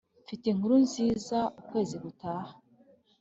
mfite inkuru nziza. ukwezi gutaha,